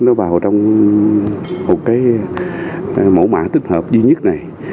nó vào trong một cái mẫu mã tích hợp duy nhất này